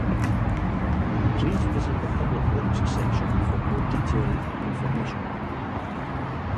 Please visit the Public Works section for more detailed information.